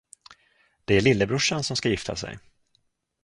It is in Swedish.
Det är lillebrorsan som ska gifta sig.